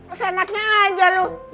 udah senetnya aja lu